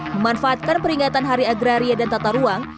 memanfaatkan peringatan hari agraria dan tata ruang